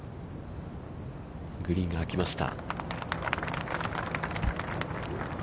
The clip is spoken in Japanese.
グリーンがあきました。